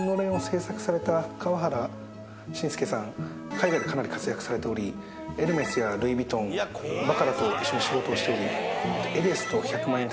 海外でかなり活躍されておりエルメスやルイ・ヴィトンバカラと一緒に仕事をしており。